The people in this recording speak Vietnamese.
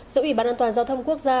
giữa ủy ban an toàn giao thông quốc gia